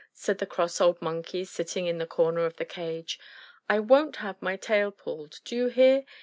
said the cross old Monkey sitting in the corner of the cage. "I won't have my tail pulled, do you hear?